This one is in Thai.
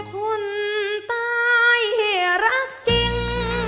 คุณตายเหรอครับจริง